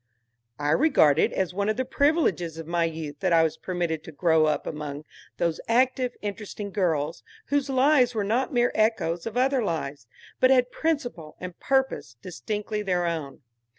I regard it as one of the privileges of my youth that I was permitted to grow up among those active, interesting girls, whose lives were not mere echoes of other lives, but had principle and purpose distinctly their own.